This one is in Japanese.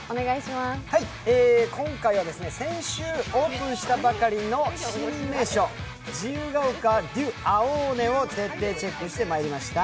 今回は先週オープンしたばかりの新名所、自由が丘デュアオーネを徹底チェックしてまいりました。